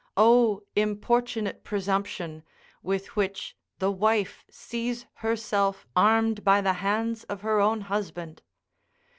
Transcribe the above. O importunate presumption, with which the wife sees herself armed by the hands of her own husband.